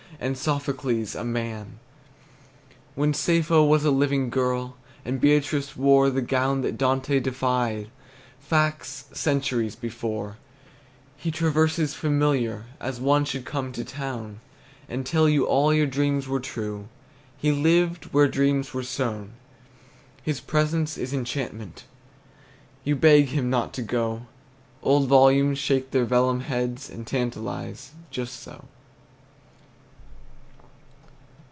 And Sophocles a man; When Sappho was a living girl, And Beatrice wore The gown that Dante deified. Facts, centuries before, He traverses familiar, As one should come to town And tell you all your dreams were true; He lived where dreams were sown. His presence is enchantment, You beg him not to go; Old volumes shake their vellum heads And tantalize, just so.